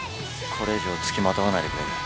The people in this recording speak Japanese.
これ以上付きまとわないでくれる？